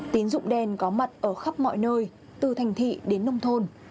tín dụng đen có mặt ở khắp mọi nơi từ thành thị đến nông thôn